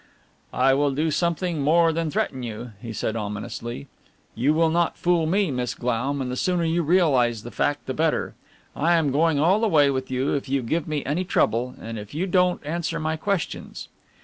"I will do something more than threaten you," he said ominously, "you will not fool me, Miss Glaum, and the sooner you realize the fact the better. I am going all the way with you if you give me any trouble, and if you don't answer my questions.